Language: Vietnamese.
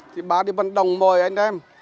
thì bà đi văn đồng mời anh em